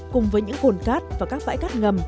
cùng với những hồn cát và các bãi cát ngầm